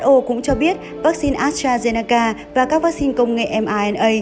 who cũng cho biết vaccine astrazeneca và các vaccine công nghệ mrna